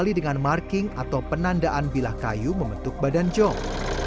kali dengan marking atau penandaan bilah kayu membentuk badan jong